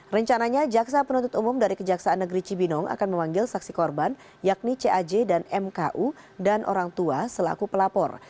rencananya jaksa penuntut umum dari kejaksaan negeri cibinong akan memanggil saksi korban yakni caj dan mku dan orang tua selaku pelapor